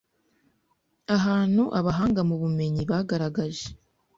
ahantu Abahanga mu bumenyi bagaragaje